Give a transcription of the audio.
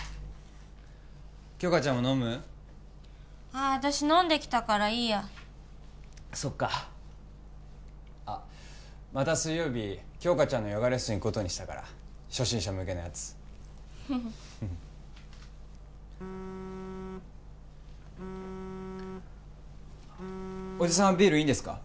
ああ私飲んできたからいいやそっかあっまた水曜日杏花ちゃんのヨガレッスン行くことにしたから初心者向けのやつフフフおじさんはビールいいんですか？